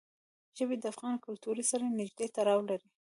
ژبې د افغان کلتور سره نږدې تړاو لري.